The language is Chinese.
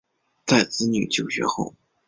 在子女就学后